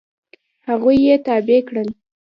هغوی یې تابع کړل.